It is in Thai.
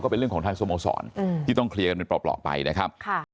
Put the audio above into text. เป็นเรื่องของทางสโมสรที่ต้องเคลียร์กันเป็นปลอกไปนะครับ